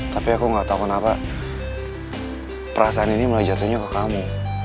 tapi aku nggak tahu kenapa perasaan ini mulai jatuhnya ke kamu